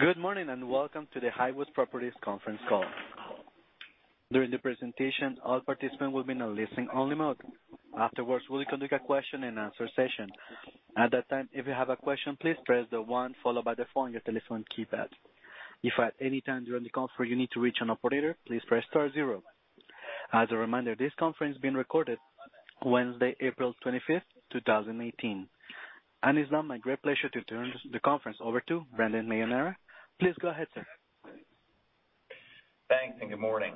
Good morning. Welcome to the Highwoods Properties conference call. During the presentation, all participants will be in a listen-only mode. Afterwards, we'll conduct a question-and-answer session. At that time, if you have a question, please press 1 followed by the phone on your telephone keypad. If at any time during the call you need to reach an operator, please press star 0. As a reminder, this conference is being recorded Wednesday, April 25, 2018. It's now my great pleasure to turn the conference over to Brendan Maiorana. Please go ahead, sir. Thanks. Good morning.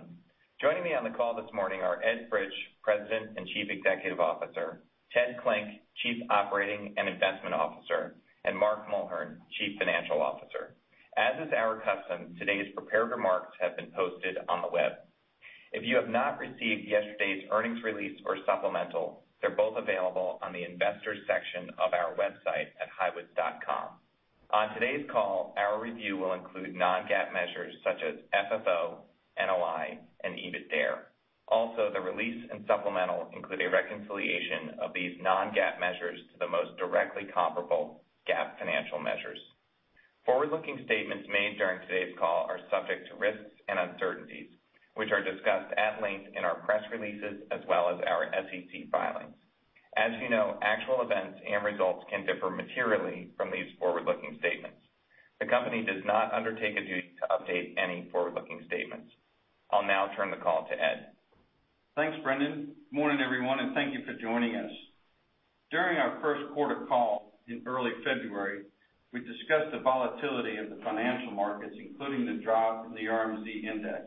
Joining me on the call this morning are Ed Fritsch, President and Chief Executive Officer, Ted Klinck, Chief Operating and Investment Officer, and Mark Mulhern, Chief Financial Officer. As is our custom, today's prepared remarks have been posted on the web. If you have not received yesterday's earnings release or supplemental, they're both available on the investors section of our website at highwoods.com. On today's call, our review will include non-GAAP measures such as FFO, NOI, and EBITDAre. The release and supplemental include a reconciliation of these non-GAAP measures to the most directly comparable GAAP financial measures. You know, actual events and results can differ materially from these forward-looking statements. The company does not undertake a duty to update any forward-looking statements. I'll now turn the call to Ed. Thanks, Brendan. Morning, everyone. Thank you for joining us. During our first quarter call in early February, we discussed the volatility of the financial markets, including the drop in the RMZ index.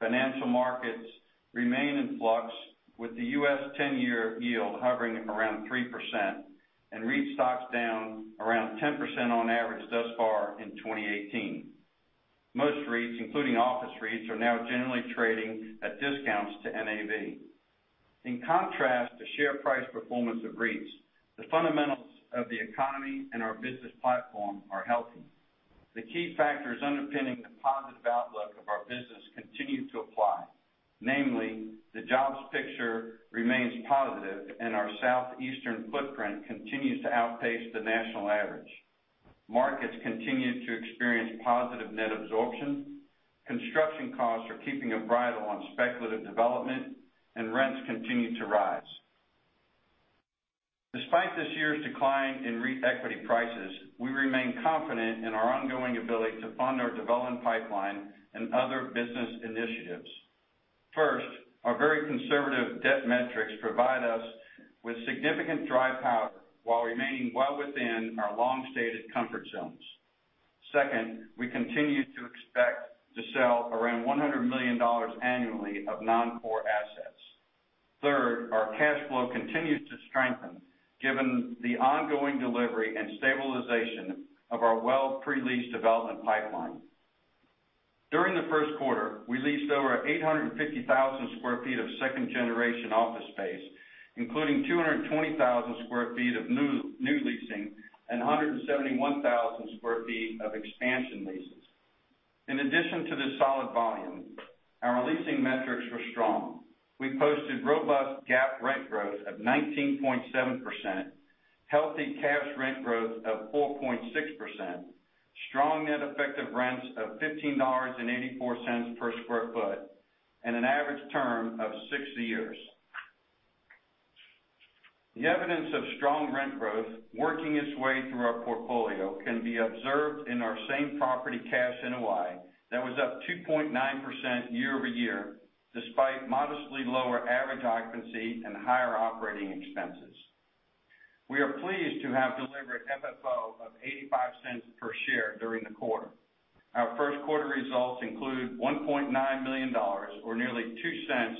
Financial markets remain in flux, with the U.S. 10-year yield hovering around 3%, and REIT stocks down around 10% on average thus far in 2018. Most REITs, including office REITs, are now generally trading at discounts to NAV. In contrast to share price performance of REITs, the fundamentals of the economy and our business platform are healthy. The key factors underpinning the positive outlook of our business continue to apply. Namely, the jobs picture remains positive. Our Southeastern footprint continues to outpace the national average. Markets continue to experience positive net absorption, construction costs are keeping a bridle on speculative development, and rents continue to rise. Despite this year's decline in REIT equity prices, we remain confident in our ongoing ability to fund our development pipeline and other business initiatives. First, our very conservative debt metrics provide us with significant dry powder while remaining well within our long-stated comfort zones. Second, we continue to expect to sell around $100 million annually of non-core assets. Third, our cash flow continues to strengthen given the ongoing delivery and stabilization of our well pre-leased development pipeline. During the first quarter, we leased over 850,000 sq ft of second-generation office space, including 220,000 sq ft of new leasing and 171,000 sq ft of expansion leases. In addition to this solid volume, our leasing metrics were strong. We posted robust GAAP rent growth of 19.7%, healthy cash rent growth of 4.6%, strong net effective rents of $15.84 per sq ft, and an average term of six years. The evidence of strong rent growth working its way through our portfolio can be observed in our same-property cash NOI that was up 2.9% year-over-year, despite modestly lower average occupancy and higher operating expenses. We are pleased to have delivered FFO of $0.85 per share during the quarter. Our first quarter results include $1.9 million or nearly $0.02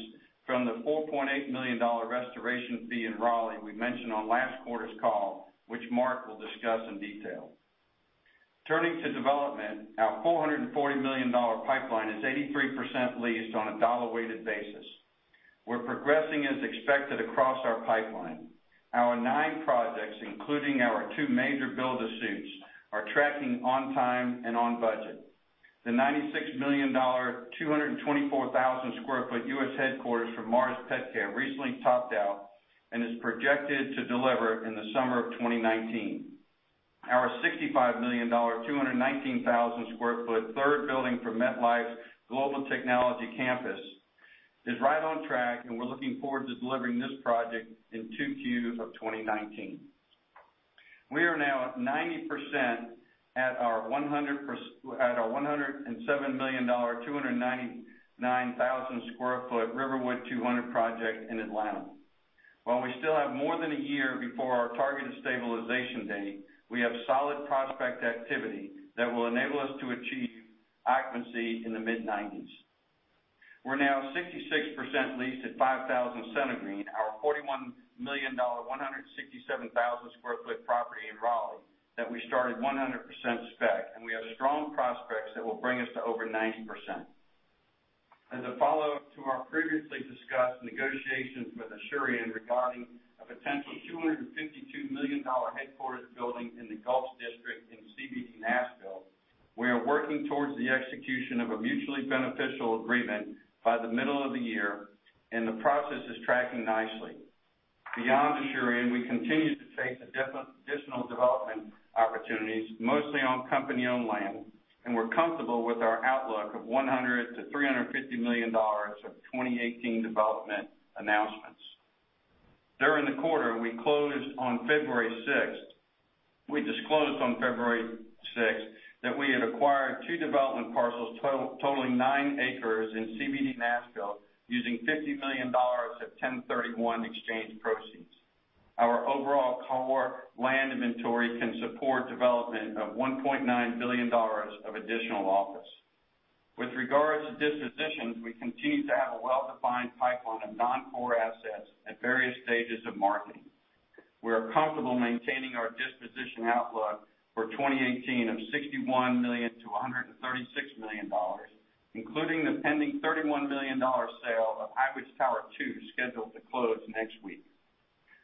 from the $4.8 million restoration fee in Raleigh we mentioned on last quarter's call, which Mark will discuss in detail. Turning to development, our $440 million pipeline is 83% leased on a dollar-weighted basis. We're progressing as expected across our pipeline. Our nine projects, including our two major build-to-suits, are tracking on time and on budget. The $96 million, 224,000 sq ft U.S. headquarters for Mars Petcare recently topped out and is projected to deliver in the summer of 2019. Our $65 million, 219,000 sq ft third building for MetLife's global technology campus is right on track, and we're looking forward to delivering this project in 2Q of 2019. We are now at 90% at our $107 million, 299,000 sq ft Riverwood 200 project in Atlanta. While we still have more than a year before our targeted stabilization date, we have solid prospect activity that will enable us to achieve occupancy in the mid-90s. We're now 66% leased at 5000 Center Green, our $41 million, 167,000 sq ft property in Raleigh that we started 100% spec, and we have strong prospects that will bring us to over 90%. As a follow-up to our previously discussed negotiations with Asurion regarding a potential $252 million headquarters building in the Gulch district in CBD Nashville, we are working towards the execution of a mutually beneficial agreement by the middle of the year, and the process is tracking nicely. Beyond Asurion, we continue to chase additional development opportunities, mostly on company-owned land, and we're comfortable with our outlook of $100 million-$350 million of 2018 development announcements. During the quarter, we closed on February 6th. We disclosed on February 6th that we had acquired two development parcels totaling nine acres in CBD Nashville using $50 million of 1031 exchange proceeds. Our overall core land inventory can support development of $1.9 billion of additional office. With regards to dispositions, we continue to have a well-defined pipeline of non-core assets at various stages of marketing. We are comfortable maintaining our disposition outlook for 2018 of $61 million-$136 million, including the pending $31 million sale of Highwoods Tower II, scheduled to close next week.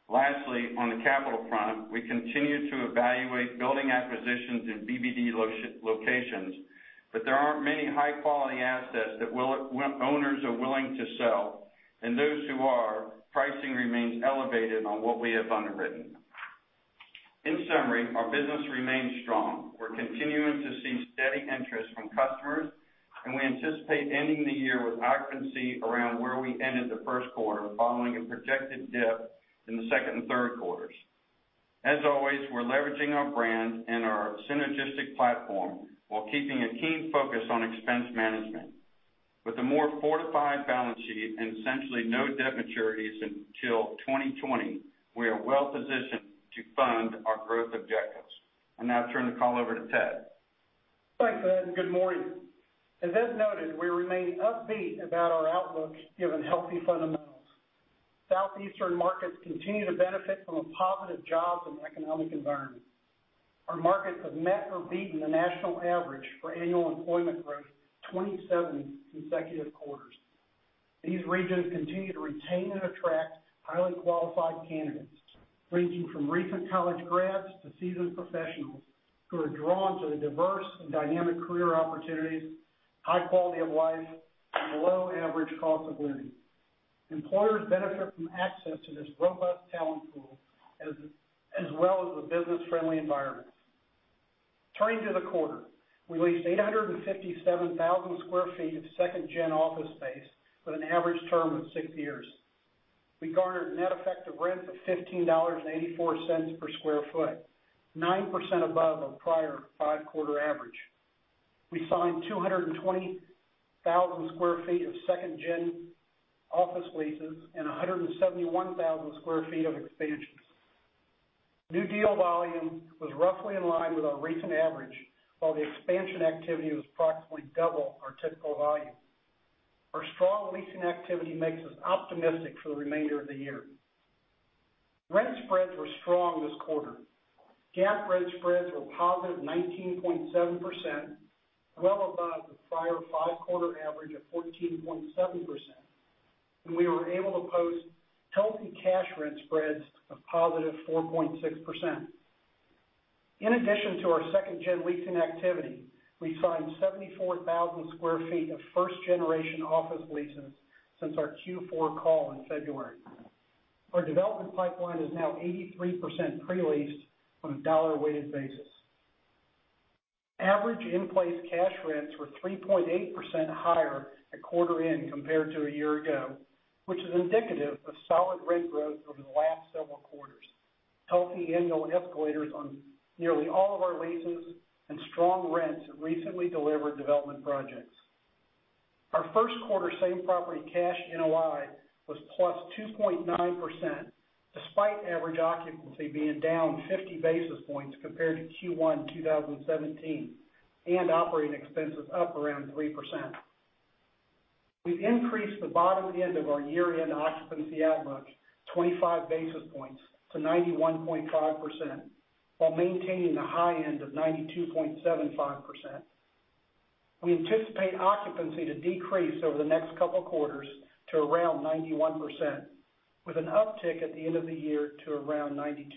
Lastly, on the capital front, we continue to evaluate building acquisitions in BBD locations. There aren't many high-quality assets that owners are willing to sell, and those who are, pricing remains elevated on what we have underwritten. In summary, our business remains strong. We're continuing to see steady interest from customers. We anticipate ending the year with occupancy around where we ended the first quarter, following a projected dip in the second and third quarters. As always, we're leveraging our brand and our synergistic platform while keeping a keen focus on expense management. With a more fortified balance sheet and essentially no debt maturities until 2020, we are well-positioned to fund our growth objectives. I'll now turn the call over to Ted. Thanks, Ed. Good morning. As Ed noted, we remain upbeat about our outlook, given healthy fundamentals. Southeastern markets continue to benefit from a positive jobs and economic environment. Our markets have met or beaten the national average for annual employment growth 27 consecutive quarters. These regions continue to retain and attract highly qualified candidates, ranging from recent college grads to seasoned professionals, who are drawn to the diverse and dynamic career opportunities, high quality of life, and below-average cost of living. Employers benefit from access to this robust talent pool, as well as the business-friendly environment. Turning to the quarter, we leased 857,000 square feet of second-gen office space with an average term of six years. We garnered net effective rent of $15.84 per square foot, 9% above our prior five-quarter average. We signed 220,000 square feet of second-gen office leases and 171,000 square feet of expansions. New deal volume was roughly in line with our recent average, while the expansion activity was approximately double our typical volume. Our strong leasing activity makes us optimistic for the remainder of the year. Rent spreads were strong this quarter. GAAP rent spreads were positive 19.7%, well above the prior five-quarter average of 14.7%. We were able to post healthy cash rent spreads of positive 4.6%. In addition to our second-gen leasing activity, we signed 74,000 square feet of first-generation office leases since our Q4 call in February. Our development pipeline is now 83% pre-leased on a dollar-weighted basis. Average in-place cash rents were 3.8% higher at quarter end compared to a year ago, which is indicative of solid rent growth over the last several quarters, healthy annual escalators on nearly all of our leases, and strong rents at recently delivered development projects. Our first quarter same property cash NOI was plus 2.9%, despite average occupancy being down 50 basis points compared to Q1 2017, and operating expenses up around 3%. We've increased the bottom end of our year-end occupancy outlook 25 basis points to 91.5%, while maintaining the high end of 92.75%. We anticipate occupancy to decrease over the next couple quarters to around 91%, with an uptick at the end of the year to around 92%.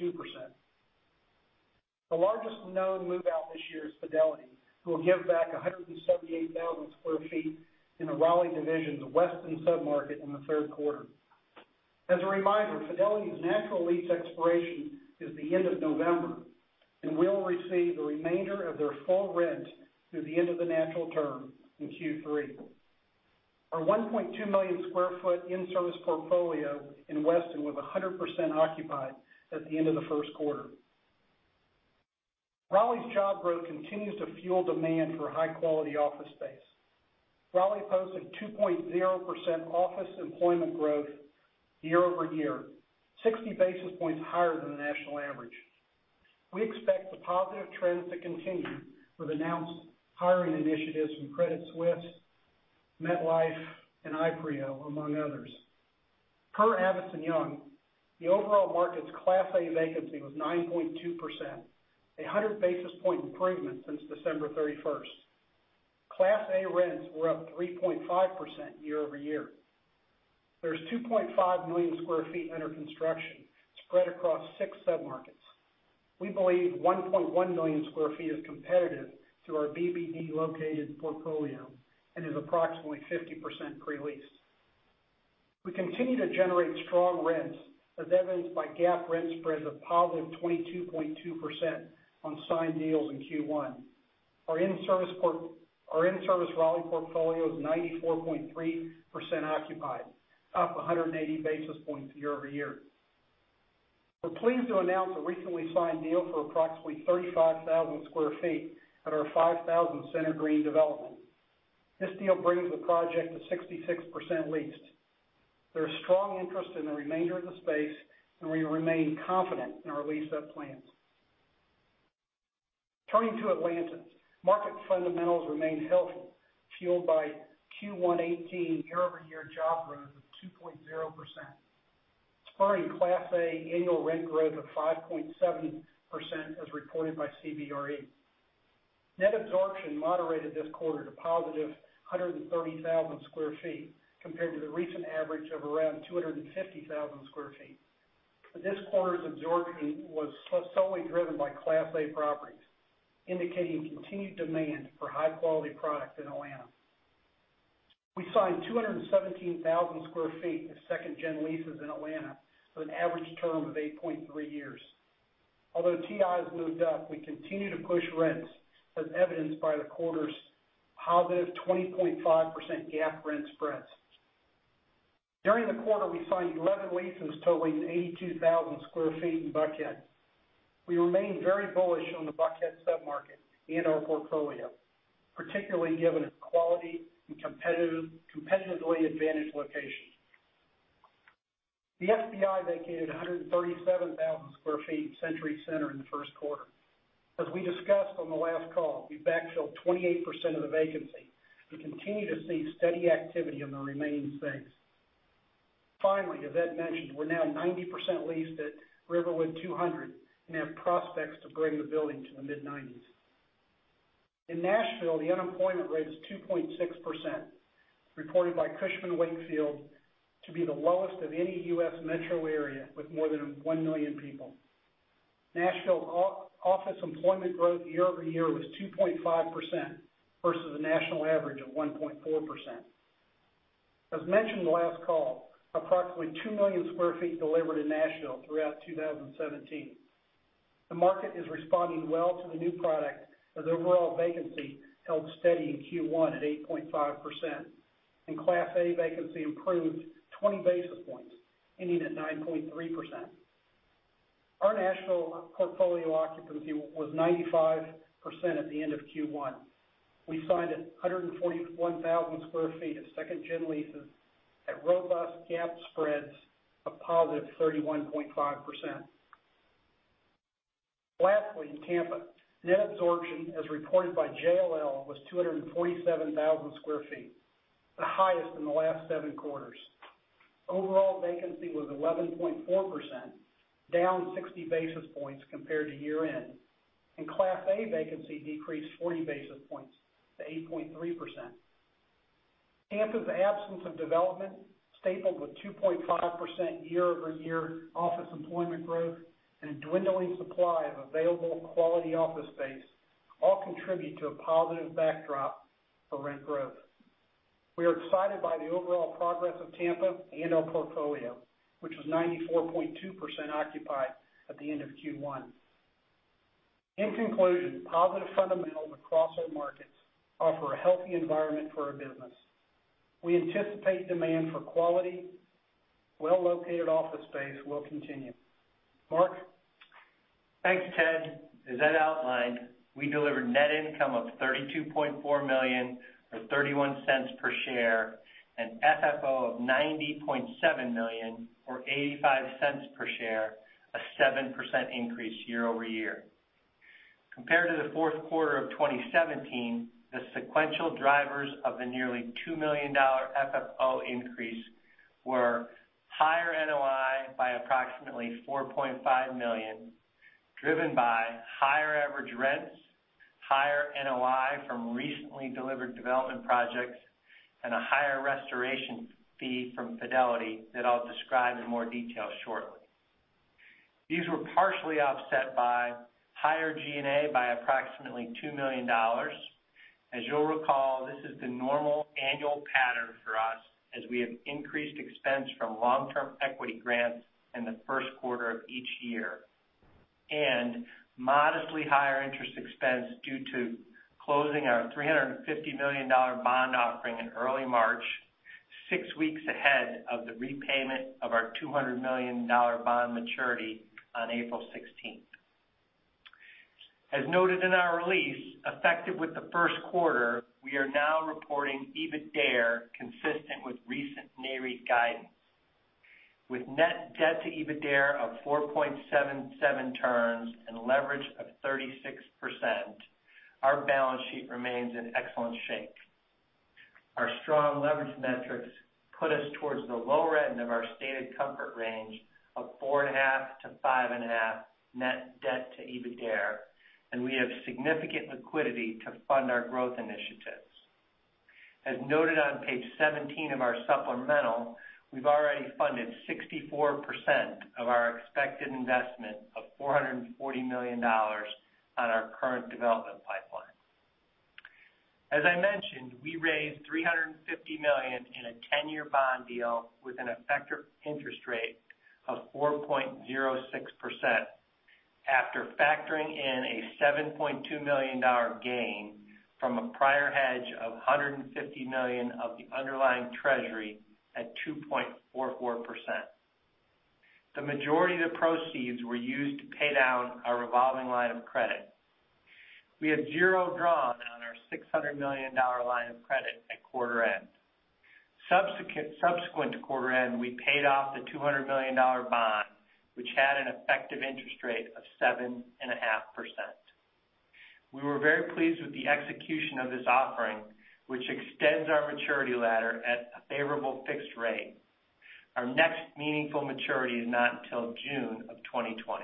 The largest known move-out this year is Fidelity, who will give back 178,000 square feet in the Raleigh division's Weston submarket in the third quarter. As a reminder, Fidelity's natural lease expiration is the end of November. We'll receive the remainder of their full rent through the end of the natural term in Q3. Our 1.2-million-square-foot in-service portfolio in Weston was 100% occupied at the end of the first quarter. Raleigh's job growth continues to fuel demand for high-quality office space. Raleigh posted 2.0% office employment growth year-over-year, 60 basis points higher than the national average. We expect the positive trends to continue with announced hiring initiatives from Credit Suisse, MetLife, and Ipreo, among others. Per Avison Young, the overall market's Class A vacancy was 9.2%, a 100-basis point improvement since December 31st. Class A rents were up 3.5% year-over-year. There's 2.5 million sq ft under construction, spread across six submarkets. We believe 1.1 million sq ft is competitive to our BBD-located portfolio and is approximately 50% pre-leased. We continue to generate strong rents, as evidenced by GAAP rent spreads of positive 22.2% on signed deals in Q1. Our in-service Raleigh portfolio is 94.3% occupied, up 180 basis points year-over-year. We're pleased to announce a recently signed deal for approximately 35,000 sq ft at our 5,000 Center Green development. This deal brings the project to 66% leased. There's strong interest in the remainder of the space, we remain confident in our lease-up plans. Turning to Atlanta. Market fundamentals remain healthy, fueled by Q1 2018 year-over-year job growth of 2.0%, spurring Class A annual rent growth of 5.7%, as reported by CBRE. Net absorption moderated this quarter to positive 130,000 sq ft, compared to the recent average of around 250,000 sq ft. This quarter's absorption was solely driven by Class A properties, indicating continued demand for high-quality product in Atlanta. We signed 217,000 sq ft of second-gen leases in Atlanta with an average term of 8.3 years. Although TI has moved up, we continue to push rents, as evidenced by the quarter's positive 20.5% GAAP rent spreads. During the quarter, we signed 11 leases totaling 82,000 sq ft in Buckhead. We remain very bullish on the Buckhead submarket in our portfolio, particularly given its quality and competitively advantaged location. The FBI vacated 137,000 sq ft Century Center in the first quarter. As we discussed on the last call, we backfilled 28% of the vacancy and continue to see steady activity on the remaining space. Finally, as Ed mentioned, we're now 90% leased at Riverwood 200 and have prospects to bring the building to the mid-90s. In Nashville, the unemployment rate is 2.6%, reported by Cushman & Wakefield to be the lowest of any U.S. metro area with more than 1 million people. Nashville office employment growth year-over-year was 2.5%, versus the national average of 1.4%. As mentioned last call, approximately 2 million sq ft delivered in Nashville throughout 2017. The market is responding well to the new product as overall vacancy held steady in Q1 at 8.5%, Class A vacancy improved 20 basis points, ending at 9.3%. Our national portfolio occupancy was 95% at the end of Q1. We signed 141,000 sq ft of second-gen leases at robust GAAP spreads of positive 31.5%. Lastly, in Tampa, net absorption, as reported by JLL, was 247,000 sq ft, the highest in the last seven quarters. Overall vacancy was 11.4%, down 60 basis points compared to year-end. Class A vacancy decreased 40 basis points to 8.3%. Tampa's absence of development, stapled with 2.5% year-over-year office employment growth and dwindling supply of available quality office space, all contribute to a positive backdrop for rent growth. We are excited by the overall progress of Tampa and our portfolio, which was 94.2% occupied at the end of Q1. In conclusion, positive fundamentals across our markets offer a healthy environment for our business. We anticipate demand for quality, well-located office space will continue. Mark? Thanks, Ted. As Ed outlined, we delivered net income of $32.4 million, or $0.31 per share, an FFO of $90.7 million, or $0.85 per share, a 7% increase year-over-year. Compared to the fourth quarter of 2017, the sequential drivers of the nearly $2 million FFO increase were higher NOI by approximately $4.5 million, driven by higher average rents, higher NOI from recently delivered development projects, and a higher restoration fee from Fidelity that I'll describe in more detail shortly. These were partially offset by higher G&A by approximately $2 million. As you'll recall, this is the normal annual pattern for us, as we have increased expense from long-term equity grants in the first quarter of each year, and modestly higher interest expense due to closing our $350 million bond offering in early March, six weeks ahead of the repayment of our $200 million bond maturity on April 16th. As noted in our release, effective with the first quarter, we are now reporting EBITDARE consistent with recent NAREIT guidance. With net debt to EBITDARE of 4.77 turns and leverage of 36%, our balance sheet remains in excellent shape. Our strong leverage metrics put us towards the lower end of our stated comfort range of 4.5-5.5 net debt to EBITDARE, and we have significant liquidity to fund our growth initiatives. As noted on page 17 of our supplemental, we've already funded 64% of our expected investment of $440 million on our current development pipeline. As I mentioned, we raised $350 million in a 10-year bond deal with an effective interest rate of 4.06%, after factoring in a $7.2 million gain from a prior hedge of $150 million of the underlying treasury at 2.44%. The majority of the proceeds were used to pay down our revolving line of credit. We have zero drawn on our $600 million line of credit at quarter end. Subsequent to quarter end, we paid off the $200 million bond, which had an effective interest rate of 7.5%. We were very pleased with the execution of this offering, which extends our maturity ladder at a favorable fixed rate. Our next meaningful maturity is not until June of 2020.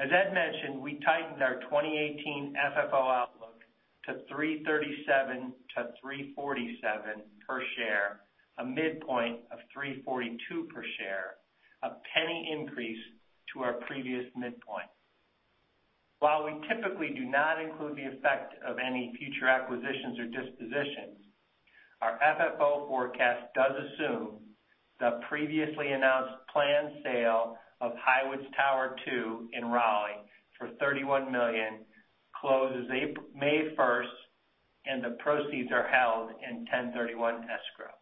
As Ed mentioned, we tightened our 2018 FFO outlook to $3.37-$3.47 per share, a midpoint of $3.42 per share, a $0.01 increase to our previous midpoint. While we typically do not include the effect of any future acquisitions or dispositions, our FFO forecast does assume the previously announced planned sale of Highwoods Tower II in Raleigh for $31 million closes May 1st, and the proceeds are held in 1031 escrow.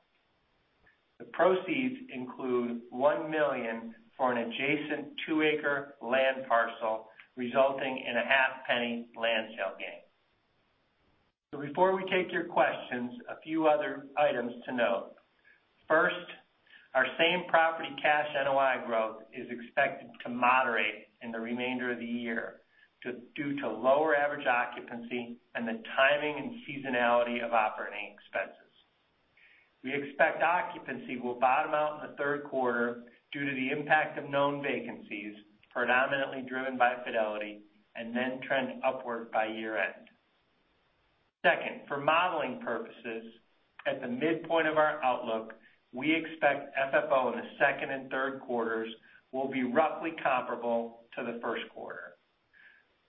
The proceeds include $1 million for an adjacent two-acre land parcel, resulting in a $0.005 land sale gain. Before we take your questions, a few other items to note. First, our same-property cash NOI growth is expected to moderate in the remainder of the year due to lower average occupancy and the timing and seasonality of operating expenses. We expect occupancy will bottom out in the third quarter due to the impact of known vacancies, predominantly driven by Fidelity, and then trend upward by year end. Second, for modeling purposes, at the midpoint of our outlook, we expect FFO in the second and third quarters will be roughly comparable to the first quarter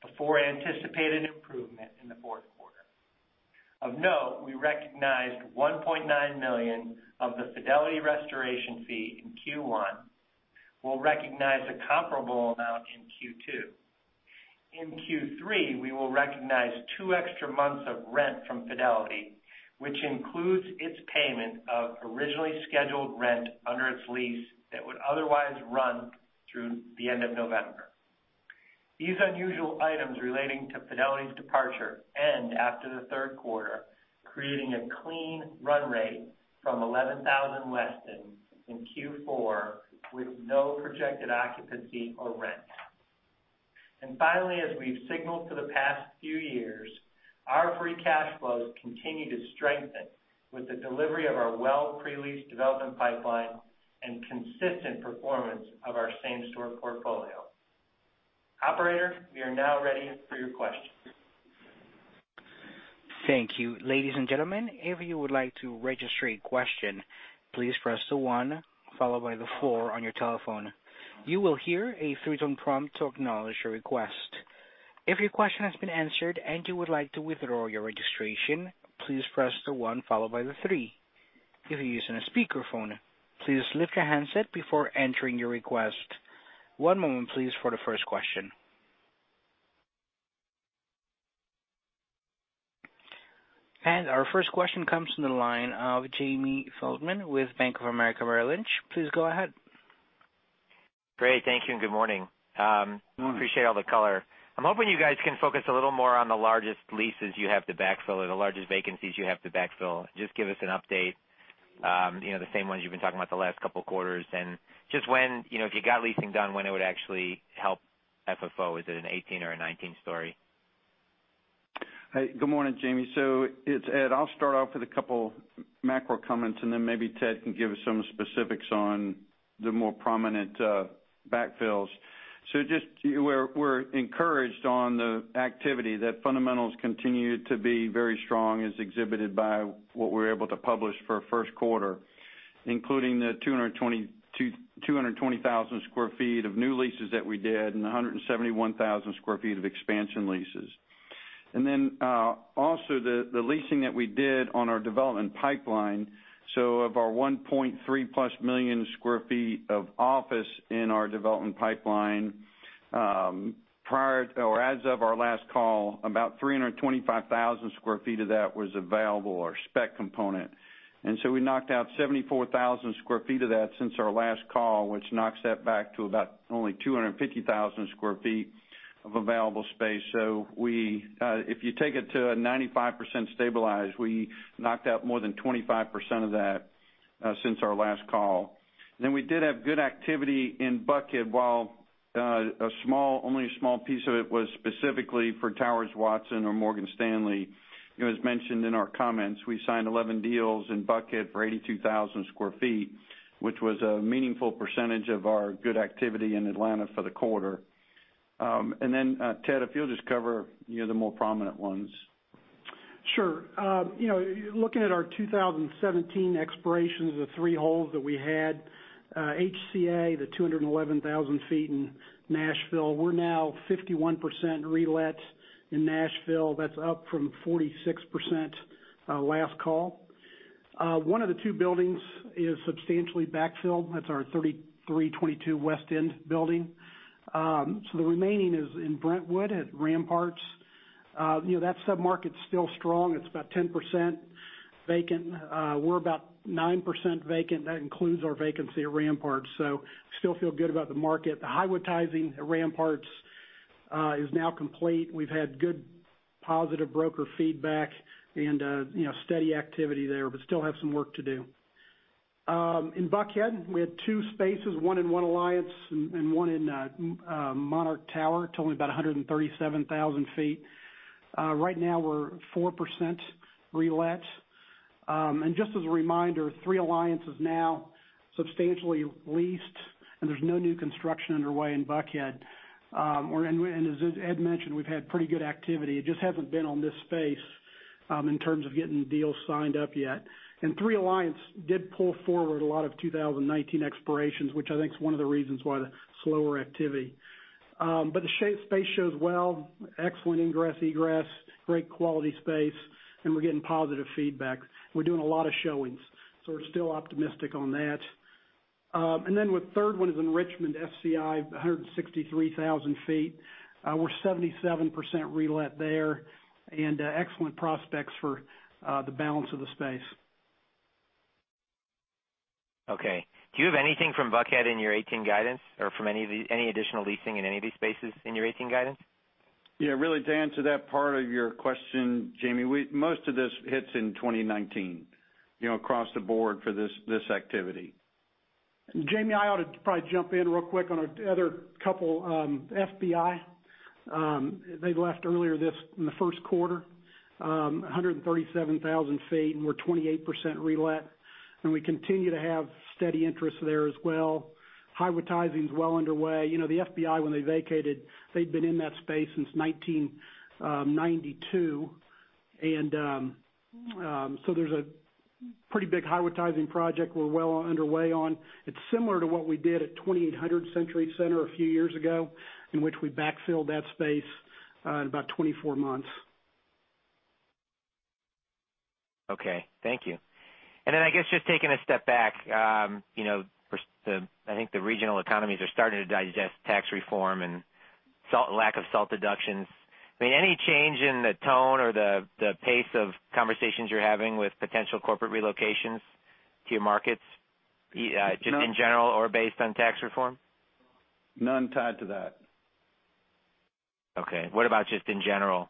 before anticipated improvement in the fourth quarter. Of note, we recognized $1.9 million of the Fidelity restoration fee in Q1. We'll recognize a comparable amount in Q2. In Q3, we will recognize two extra months of rent from Fidelity, which includes its payment of originally scheduled rent under its lease that would otherwise run through the end of November. These unusual items relating to Fidelity's departure end after the third quarter, creating a clean run rate from 11,000 less than in Q4 with no projected occupancy or rent. Finally, as we've signaled for the past few years, our free cash flows continue to strengthen with the delivery of our well pre-leased development pipeline and consistent performance of our same-store portfolio. Operator, we are now ready for your questions. Thank you. Ladies and gentlemen, if you would like to register a question, please press the one followed by the four on your telephone. You will hear a three-tone prompt to acknowledge your request. If your question has been answered and you would like to withdraw your registration, please press the one followed by the three. If you're using a speakerphone, please lift your handset before entering your request. One moment please for the first question. Our first question comes from the line of Jamie Feldman with Bank of America Merrill Lynch. Please go ahead. Great. Thank you, and good morning. Good morning. Appreciate all the color. I'm hoping you guys can focus a little more on the largest leases you have to backfill or the largest vacancies you have to backfill. Give us an update, the same ones you've been talking about the last couple of quarters, just when, if you got leasing done, when it would actually help FFO. Is it a 2018 or a 2019 story? Hey, good morning, Jamie. It's Ed. I'll start off with a couple macro comments, then maybe Ted can give us some specifics on the more prominent backfills. Just, we're encouraged on the activity. Fundamentals continue to be very strong as exhibited by what we were able to publish for first quarter, including the 220,000 square feet of new leases that we did and 171,000 square feet of expansion leases. Also the leasing that we did on our development pipeline. Of our 1.3+ million square feet of office in our development pipeline, as of our last call, about 325,000 square feet of that was available or spec component. We knocked out 74,000 square feet of that since our last call, which knocks that back to about only 250,000 square feet of available space. If you take it to a 95% stabilized, we knocked out more than 25% of that since our last call. We did have good activity in Buckhead while only a small piece of it was specifically for Towers Watson or Morgan Stanley. It was mentioned in our comments. We signed 11 deals in Buckhead for 82,000 square feet, which was a meaningful percentage of our good activity in Atlanta for the quarter. Ted, if you'll just cover the more prominent ones. Sure. Looking at our 2017 expirations, the three holes that we had, HCA, the 211,000 feet in Nashville, we're now 51% relet in Nashville. That's up from 46% last call. One of the two buildings is substantially backfilled. That's our 3322 West End building. The remaining is in Brentwood at Ramparts. That submarket's still strong. It's about 10% vacant. We're about 9% vacant. That includes our vacancy at Ramparts, still feel good about the market. The Highwoods-tizing at Ramparts is now complete. We've had good, positive broker feedback and steady activity there, still have some work to do. In Buckhead, we had two spaces, one in One Alliance and one in Monarch Tower. Totally about 137,000 feet. Right now, we're 4% relet. Just as a reminder, Three Alliance is now substantially leased, there's no new construction underway in Buckhead. As Ed mentioned, we've had pretty good activity. It just hasn't been on this space, in terms of getting deals signed up yet. Three Alliance did pull forward a lot of 2019 expirations, which I think is one of the reasons why the slower activity. The space shows well, excellent ingress, egress, great quality space, we're getting positive feedback. We're doing a lot of showings, we're still optimistic on that. The third one is in Richmond, FCI, 163,000 feet. We're 77% relet there, excellent prospects for the balance of the space. Okay. Do you have anything from Buckhead in your 2018 guidance or any additional leasing in any of these spaces in your 2018 guidance? Yeah, really, to answer that part of your question, Jamie, most of this hits in 2019 across the board for this activity. Jamie, I ought to probably jump in real quick on other couple. FBI, they left earlier this, in the first quarter, 137,000 feet, and we're 28% relet, and we continue to have steady interest there as well. Highwoods-izing's well underway. The FBI, when they vacated, they'd been in that space since 1992. There's a pretty big Highwoods-izing project we're well underway on. It's similar to what we did at 2800 Century Center a few years ago, in which we backfilled that space in about 24 months. Okay. Thank you. I guess, just taking a step back. I think the regional economies are starting to digest tax reform and lack of SALT deductions. Any change in the tone or the pace of conversations you're having with potential corporate relocations to your markets, just in general or based on tax reform? None tied to that. Okay. What about just in general?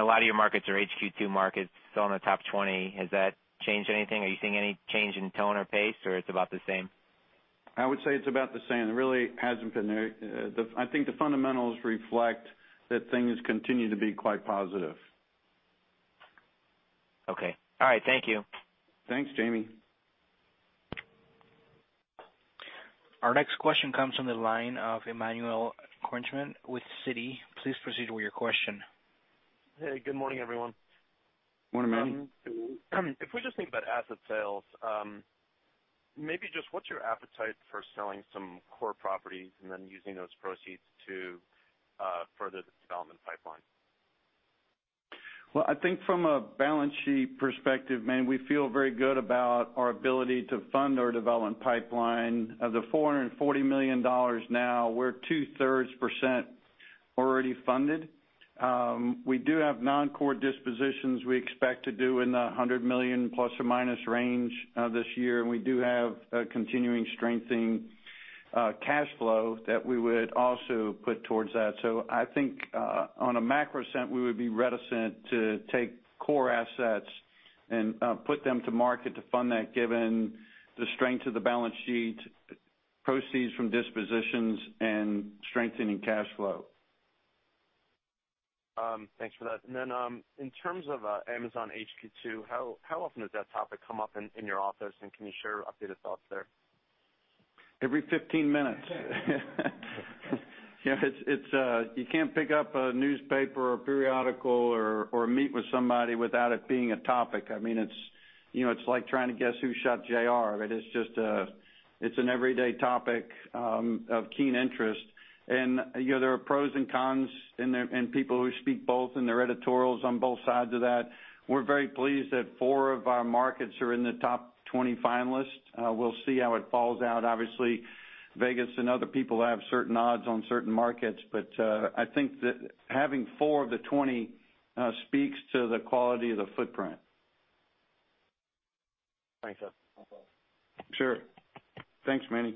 A lot of your markets are HQ2 markets, so on the top 20. Has that changed anything? Are you seeing any change in tone or pace, or it's about the same? I would say it's about the same. I think the fundamentals reflect that things continue to be quite positive. Okay. All right. Thank you. Thanks, Jamie. Our next question comes from the line of Emmanuel Korchman with Citi. Please proceed with your question. Hey, good morning, everyone. Morning, Manny. If we just think about asset sales, maybe just what's your appetite for selling some core properties and then using those proceeds to further the development pipeline? Well, I think from a balance sheet perspective, Manny, we feel very good about our ability to fund our development pipeline. Of the $440 million now, we're two-thirds % already funded. We do have non-core dispositions we expect to do in the $100 million plus or minus range this year. We do have a continuing strengthening cash flow that we would also put towards that. I think on a macro sense, we would be reticent to take core assets and put them to market to fund that, given the strength of the balance sheet, proceeds from dispositions, and strengthening cash flow. Thanks for that. In terms of Amazon HQ2, how often does that topic come up in your office, and can you share updated thoughts there? Every 15 minutes. You can't pick up a newspaper or periodical or meet with somebody without it being a topic. It's like trying to guess who shot J.R. It's an everyday topic of keen interest. There are pros and cons in there, and people who speak both in their editorials on both sides of that. We're very pleased that four of our markets are in the top 20 finalists. We'll see how it falls out. Obviously, Vegas and other people have certain odds on certain markets, but I think that having four of the 20 speaks to the quality of the footprint. Thanks. That's all. Sure. Thanks, Manny.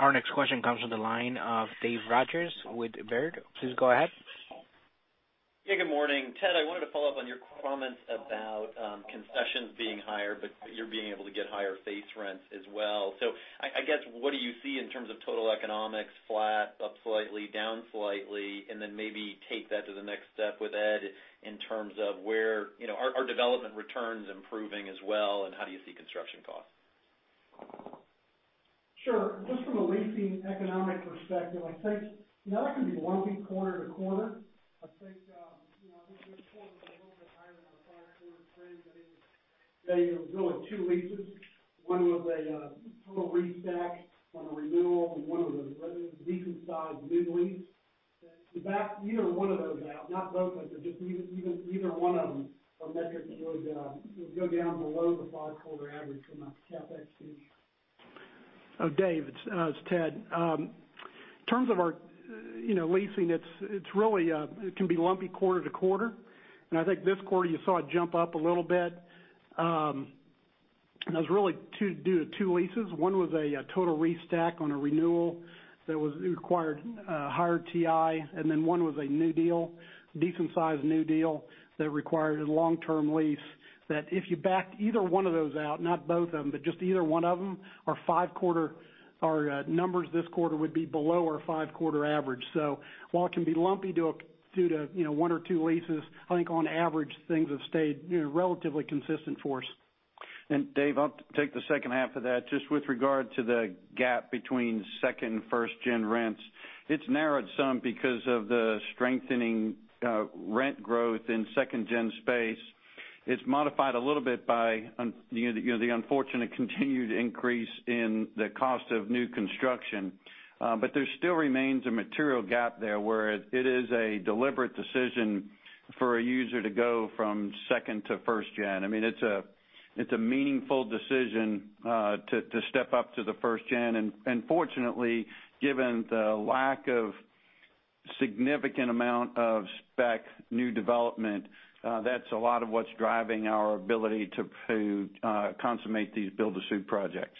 Our next question comes from the line of David Rodgers with Baird. Please go ahead. Yeah, good morning. Ted, I wanted to follow up on your comments about concessions being higher, but you're being able to get higher base rents as well. I guess, what do you see in terms of total economics, flat? Take that to the next step with Ed, in terms of where our development return's improving as well, and how do you see construction costs? Sure. Just from a leasing economic perspective, I think that can be lumpy quarter to quarter. I think this quarter was a little bit higher than our five-quarter average, but it was really two leases. One was a total restack on a renewal, and one was a decent-sized new lease. Either one of those out, not both of them, but just either one of them, our metric would go down below the five-quarter average from a CapEx view. Dave, it's Ted. In terms of our leasing, it can be lumpy quarter to quarter. I think this quarter, you saw it jump up a little bit. That was really due to two leases. One was a total restack on a renewal that required a higher TI, and then one was a new deal, a decent-sized new deal that required a long-term lease. If you backed either one of those out, not both of them, but just either one of them, our numbers this quarter would be below our five-quarter average. While it can be lumpy due to one or two leases, I think on average, things have stayed relatively consistent for us. Dave, I'll take the second half of that. Just with regard to the gap between second- and first-gen rents. It's narrowed some because of the strengthening rent growth in second-gen space. It's modified a little bit by the unfortunate continued increase in the cost of new construction. There still remains a material gap there, where it is a deliberate decision for a user to go from second to first gen. It's a meaningful decision to step up to the first gen. Fortunately, given the lack of significant amount of spec new development, that's a lot of what's driving our ability to consummate these build-to-suit projects.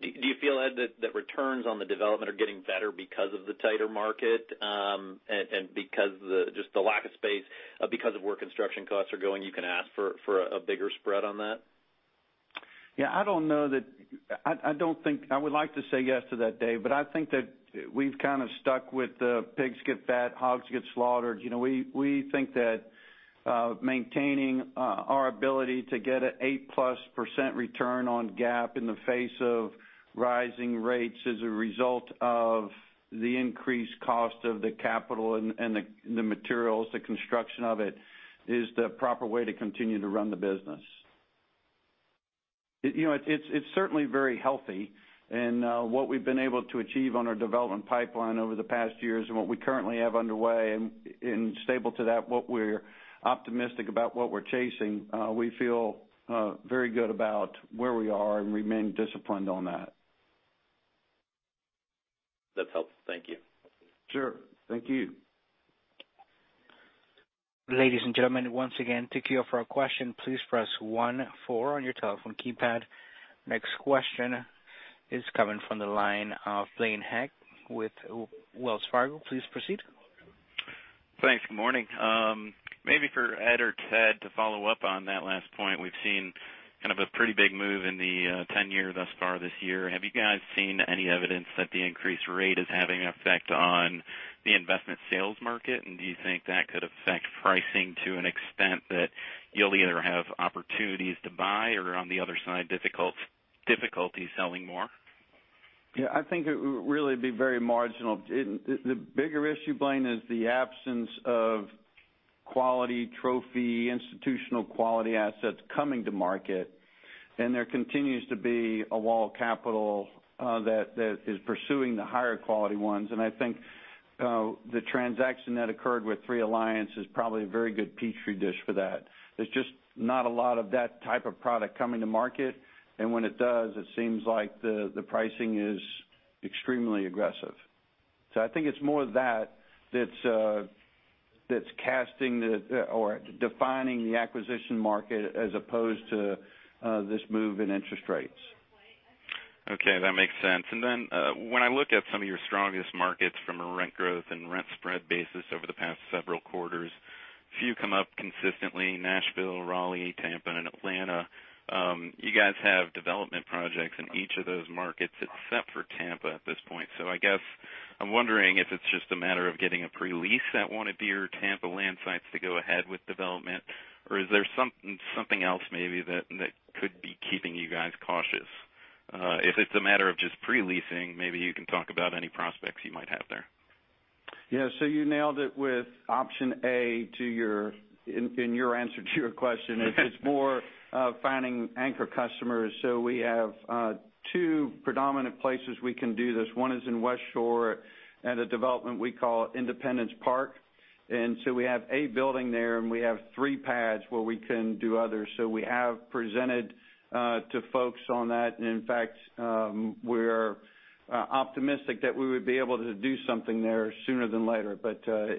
Do you feel, Ed, that returns on the development are getting better because of the tighter market? Because just the lack of space because of where construction costs are going, you can ask for a bigger spread on that? Yeah, I would like to say yes to that, Dave. I think that we've kind of stuck with the pigs get fat, hogs get slaughtered. We think that maintaining our ability to get an eight-plus % return on GAAP in the face of rising rates as a result of the increased cost of the capital and the materials, the construction of it, is the proper way to continue to run the business. It's certainly very healthy in what we've been able to achieve on our development pipeline over the past years and what we currently have underway. Stable to that, what we're optimistic about what we're chasing. We feel very good about where we are and remain disciplined on that. That's helpful. Thank you. Sure. Thank you. Ladies and gentlemen, once again, thank you for your question. Please press one, four on your telephone keypad. Next question is coming from the line of Blaine Heck with Wells Fargo. Please proceed. Thanks. Good morning. Maybe for Ed or Ted to follow up on that last point. We've seen kind of a pretty big move in the 10-year thus far this year. Have you guys seen any evidence that the increased rate is having an effect on the investment sales market? Do you think that could affect pricing to an extent that you'll either have opportunities to buy or, on the other side, difficulty selling more? Yeah, I think it would really be very marginal. The bigger issue, Blaine, is the absence of quality trophy institutional quality assets coming to market. There continues to be a wall of capital that is pursuing the higher-quality ones. I think the transaction that occurred with Three Alliance is probably a very good petri dish for that. There's just not a lot of that type of product coming to market. When it does, it seems like the pricing is extremely aggressive. I think it's more that that's casting or defining the acquisition market as opposed to this move in interest rates. Okay, that makes sense. Then when I look at some of your strongest markets from a rent growth and rent spread basis over the past several quarters, a few come up consistently, Nashville, Raleigh, Tampa, and Atlanta. You guys have development projects in each of those markets except for Tampa at this point. I guess I'm wondering if it's just a matter of getting a pre-lease at one of your Tampa land sites to go ahead with development, or is there something else maybe that could be keeping you guys cautious? If it's a matter of just pre-leasing, maybe you can talk about any prospects you might have there. Yeah, you nailed it with option A in your answer to your question. It's more finding anchor customers. We have two predominant places we can do this. One is in Westshore at a development we call Independence Park. We have a building there, and we have three pads where we can do others. We have presented to folks on that. In fact, we're optimistic that we would be able to do something there sooner than later.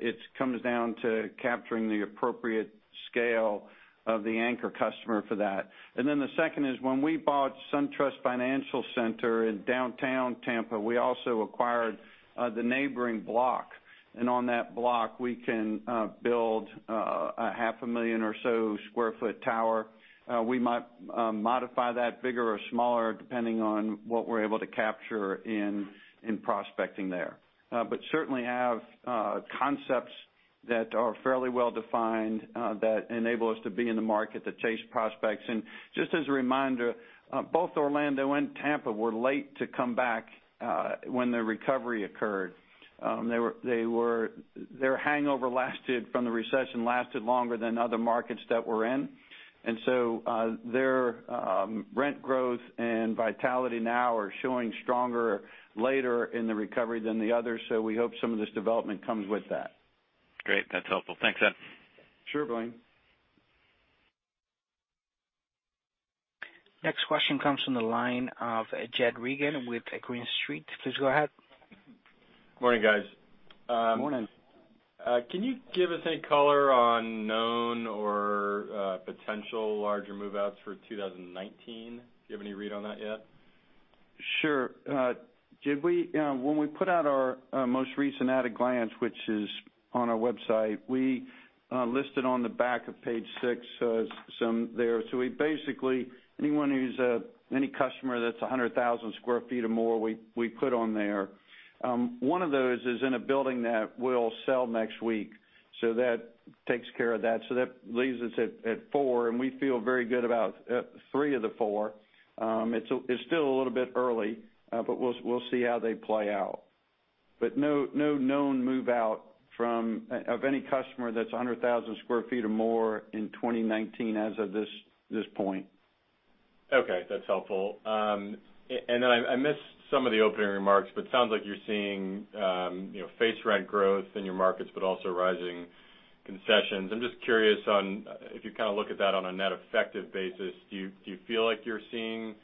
It comes down to capturing the appropriate scale of the anchor customer for that. The second is when we bought SunTrust Financial Centre in downtown Tampa, we also acquired the neighboring block. On that block, we can build a half a million or so square foot tower. We might modify that bigger or smaller depending on what we're able to capture in prospecting there. Certainly have concepts that are fairly well-defined, that enable us to be in the market to chase prospects. Just as a reminder, both Orlando and Tampa were late to come back, when the recovery occurred. Their hangover from the recession lasted longer than other markets that we're in. Their rent growth and vitality now are showing stronger later in the recovery than the others. We hope some of this development comes with that. Great. That's helpful. Thanks, Ed. Sure, Blaine. Next question comes from the line of Jed Reagan with Green Street. Please go ahead. Morning, guys. Morning. Can you give us any color on known or potential larger move-outs for 2019? Do you have any read on that yet? Sure. Jed, when we put out our most recent at-a-glance, which is on our website, we listed on the back of page six, some there. We basically, any customer that's 100,000 sq ft or more, we put on there. One of those is in a building that we'll sell next week, that takes care of that. That leaves us at four, and we feel very good about three of the four. It's still a little bit early, but we'll see how they play out. No known move-out of any customer that's 100,000 sq ft or more in 2019 as of this point. Okay. That's helpful. I missed some of the opening remarks, sounds like you're seeing base rent growth in your markets, also rising concessions. I'm just curious on if you kind of look at that on a net effective basis, do you feel like you're seeing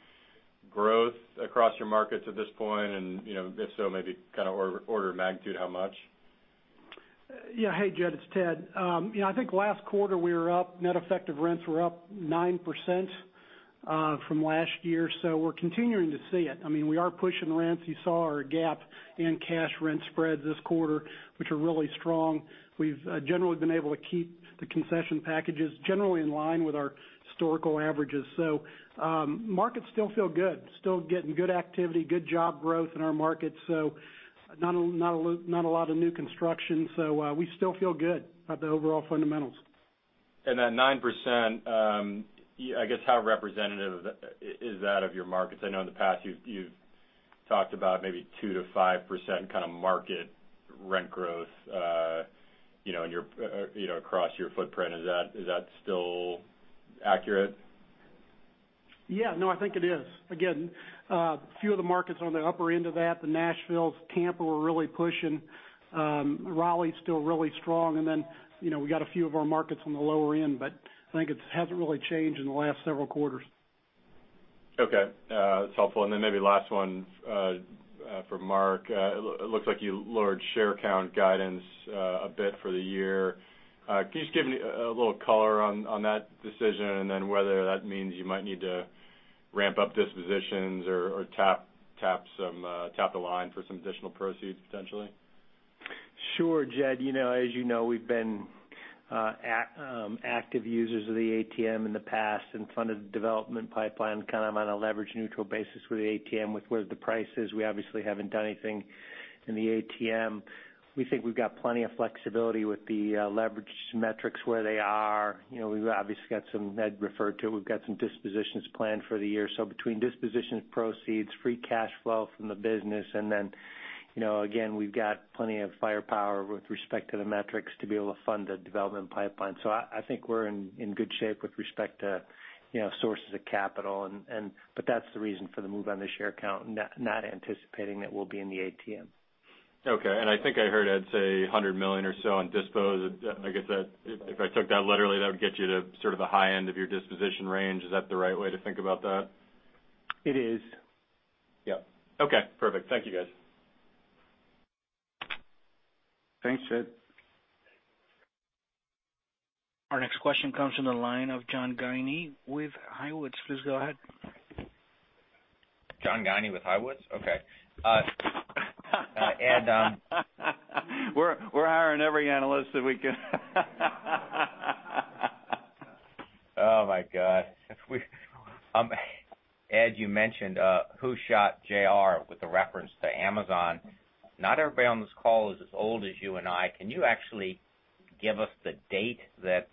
growth across your markets at this point? If so, maybe kind of order of magnitude, how much? Yeah. Hey, Jed, it's Ted. I think last quarter we were up, net effective rents were up 9% from last year. We're continuing to see it. We are pushing rents. You saw our GAAP and cash rent spreads this quarter, which are really strong. We've generally been able to keep the concession packages generally in line with our historical averages. Markets still feel good. Still getting good activity, good job growth in our markets. Not a lot of new construction. We still feel good about the overall fundamentals. That 9%, I guess, how representative is that of your markets? I know in the past you've talked about maybe 2%-5% kind of market rent growth, across your footprint. Is that still accurate? Yeah. No, I think it is. Again, few of the markets are on the upper end of that. The Nashville, Tampa, we're really pushing. Raleigh's still really strong. We got a few of our markets on the lower end, I think it hasn't really changed in the last several quarters. Okay. That's helpful. Maybe last one for Mark. It looks like you lowered share count guidance a bit for the year. Can you just give me a little color on that decision, and then whether that means you might need to ramp up dispositions or tap the line for some additional proceeds, potentially? Sure, Jed. As you know, we've been active users of the ATM in the past and funded development pipeline kind of on a leverage-neutral basis with the ATM. With where the price is, we obviously haven't done anything in the ATM. We think we've got plenty of flexibility with the leverage metrics where they are. We've obviously got some, Ed referred to, we've got some dispositions planned for the year. Between dispositions proceeds, free cash flow from the business, again, we've got plenty of firepower with respect to the metrics to be able to fund the development pipeline. I think we're in good shape with respect to sources of capital. That's the reason for the move on the share count, not anticipating that we'll be in the ATM. Okay. I think I heard Ed say $100 million or so on dispo. I guess if I took that literally, that would get you to sort of the high end of your disposition range. Is that the right way to think about that? It is. Yep. Okay, perfect. Thank you, guys. Thanks, Jed. Our next question comes from the line of John Guinee with Highwoods. Please go ahead. John Guinee with Highwoods? Okay. Ed- We're hiring every analyst that we can. Oh my God. Ed, you mentioned, "Who shot J.R.?" with the reference to Amazon. Not everybody on this call is as old as you and I. Can you actually give us the date that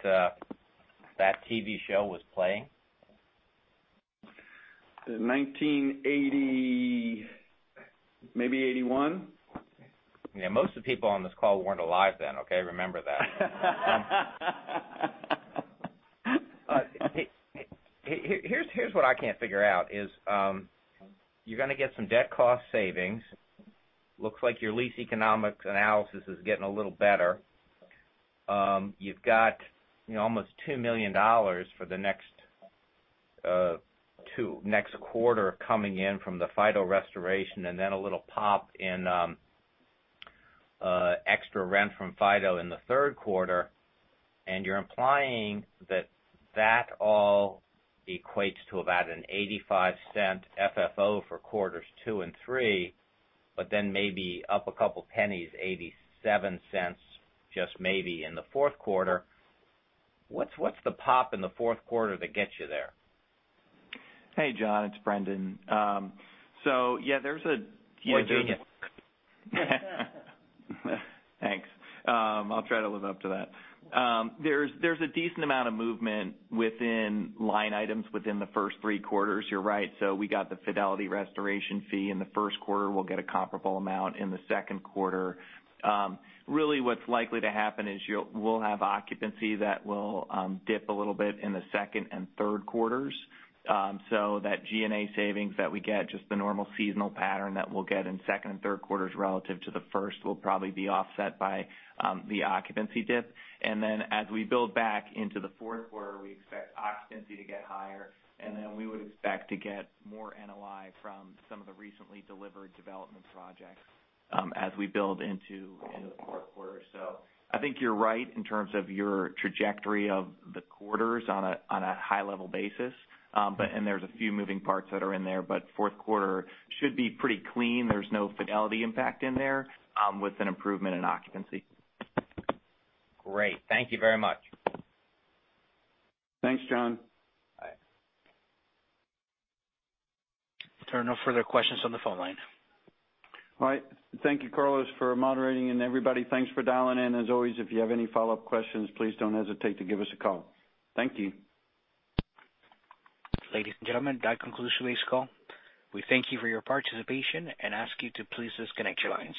TV show was playing? 1980, maybe 1981. Most of the people on this call weren't alive then, okay? Remember that. Here's what I can't figure out is, you're gonna get some debt cost savings. Looks like your lease economics analysis is getting a little better. You've got almost $2 million for the next quarter coming in from the Fidelity restoration, and then a little pop in extra rent from Fidelity in the third quarter. You're implying that that all equates to about an $0.85 FFO for quarters two and three, but then maybe up $0.02, $0.87, just maybe in the fourth quarter. What's the pop in the fourth quarter that gets you there? Hey, John, it's Brendan. Yeah, there's. Genius. Thanks. I'll try to live up to that. There's a decent amount of movement within line items within the first three quarters, you're right. We got the Fidelity restoration fee in the first quarter. We'll get a comparable amount in the second quarter. What's likely to happen is we'll have occupancy that will dip a little bit in the second and third quarters. That G&A savings that we get, just the normal seasonal pattern that we'll get in second and third quarters relative to the first, will probably be offset by the occupancy dip. As we build back into the fourth quarter, we expect occupancy to get higher, we would expect to get more NOI from some of the recently delivered development projects as we build into the fourth quarter. I think you're right in terms of your trajectory of the quarters on a high-level basis. There's a few moving parts that are in there, fourth quarter should be pretty clean. There's no Fidelity impact in there with an improvement in occupancy. Great. Thank you very much. Thanks, John. Bye. There are no further questions on the phone line. All right. Thank you, Carlos, for moderating, and everybody, thanks for dialing in. As always, if you have any follow-up questions, please don't hesitate to give us a call. Thank you. Ladies and gentlemen, that concludes today's call. We thank you for your participation and ask you to please disconnect your lines.